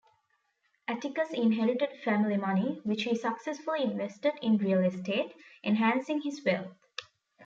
Atticus inherited family money, which he successfully invested in real estate, enhancing his wealth.